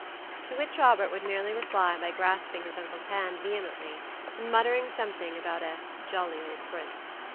To which Robert would merely reply by grasping his uncle's hand vehemently, and muttering something about "a jolly old prince."